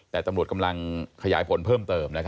แต่ตำรวจกำลังขยายผลเพิ่มเติม